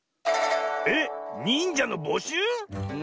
えっ⁉にんじゃのぼしゅう？